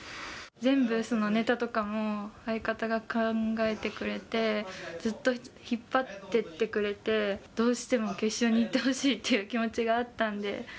全部、ネタとかも、相方が考えてくれて、ずっと引っ張ってってくれて、どうしても決勝に行ってほしいっていう気持ちがあったんで。